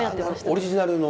オリジナルの。